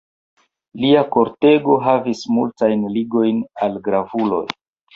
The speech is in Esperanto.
Lia kortego havis multajn ligojn al gravuloj.